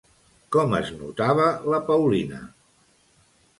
Com es notava la Paulina?